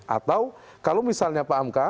atau kalau misalnya pak hamka